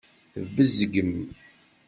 Tbezgem.